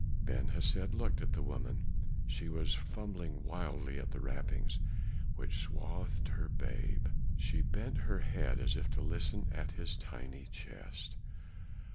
Ben Hesed looked at the woman; she was fumbling wildly at the wrappings which swathed her babe; she bent her head as if to listen at his tiny chest.